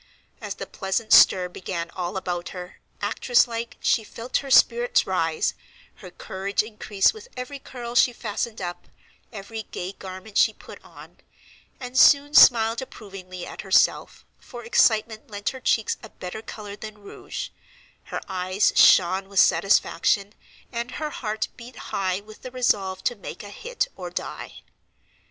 As the pleasant stir began all about her, actress like, she felt her spirits rise, her courage increase with every curl she fastened up, every gay garment she put on, and soon smiled approvingly at herself, for excitement lent her cheeks a better color than rouge, her eyes shone with satisfaction, and her heart beat high with the resolve to make a hit or die.